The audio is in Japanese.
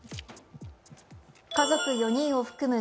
家族４人を含む